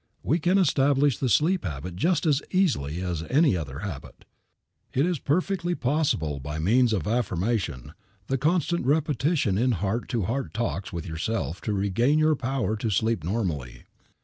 We can establish the sleep habit just as easily as any other habit. It is perfectly possible by means of affirmation, the constant repetition in heart to heart talks with yourself to regain your power to sleep normally.